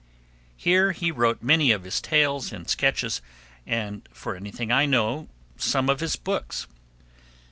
Here he wrote many of his tales and sketches, and for anything I know some of his books.